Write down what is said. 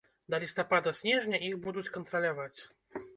Да лістапада-снежня іх будуць кантраляваць.